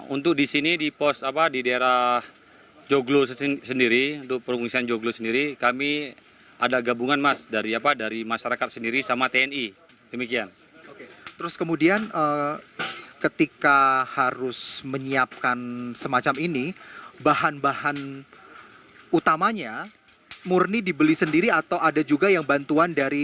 untuk di sini di pos di daerah joglo sendiri untuk perunggungan joglo sendiri kami ada gabungan mas dari masyarakat sendiri sama tni